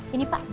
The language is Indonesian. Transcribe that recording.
ini pak bil